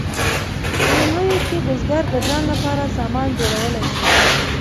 په لومړیو کې بزګر د ځان لپاره سامان جوړولی شو.